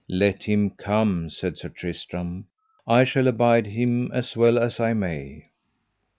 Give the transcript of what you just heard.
Let him come, said Sir Tristram, I shall abide him as well as I may.